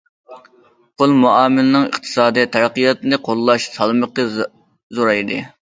پۇل مۇئامىلىنىڭ ئىقتىسادىي تەرەققىياتنى قوللاش سالمىقى زورايدى.